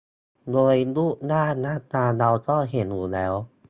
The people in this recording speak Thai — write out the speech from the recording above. โดยรูปร่างหน้าตาเราก็เห็นอยู่แล้ว